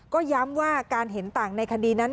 ก็ย้ำว่าการเห็นต่างในคดีนั้น